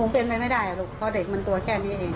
เพราะเด็กมันตัวแค่นี้เอง